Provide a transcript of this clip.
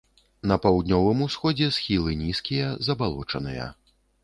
На паўднёвым усходзе схілы нізкія, забалочаныя.